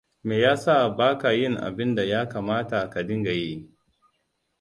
Me ya sa baka yin abin da ya kamata ka dinga yi?